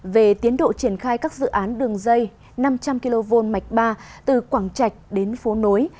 về tiến độ triển khai các dự án đường dây năm trăm linh kv mạch ba từ quảng trạch đến phố nối